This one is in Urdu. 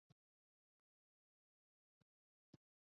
بات تو ہے۔